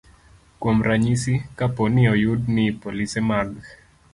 Kuom ranyisi, kapo ni oyud ni polise mag